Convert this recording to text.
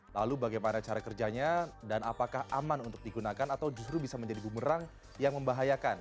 lalu bagaimana cara kerjanya dan apakah aman untuk digunakan atau justru bisa menjadi bumerang yang membahayakan